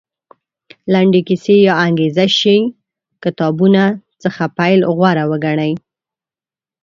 لنډې کیسې یا انګېزه شي کتابونو څخه پیل غوره وګڼي.